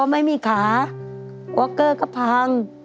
ไม่มีขาวอกเกอร์ก็พัง